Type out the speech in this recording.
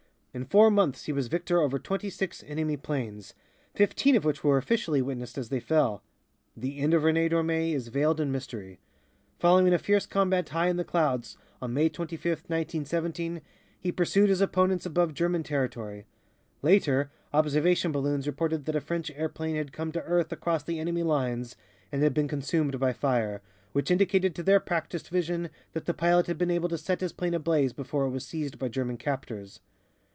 In four months he was victor over twenty six enemy planes, fifteen of which were officially witnessed as they fell. The end of René Dormé is veiled in mystery. Following a fierce combat high in the clouds on May 25, 1917, he pursued his opponents above German territory. Later, observation balloons reported that a French airplane had come to earth across the enemy lines and had been consumed by fire, which indicated to their practised vision that the pilot had been able to set his plane ablaze before it was seized by German captors.